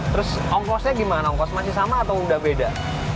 terus ongkosnya gimana ongkos masih sama atau udah beda